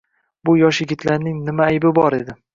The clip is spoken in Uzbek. Bu yosh yigitlarning nima aybi bor edi?